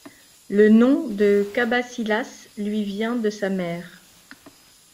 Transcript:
Le nom de Cabasilas lui vient de sa mère.